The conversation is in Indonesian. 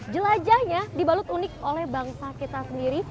jelajahnya dibalut unik oleh bangsa kita sendiri